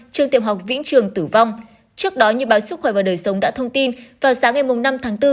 trường tiểu học vĩnh trường tử vong trước đó như báo sức khỏe và đời sống đã thông tin vào sáng ngày năm tháng bốn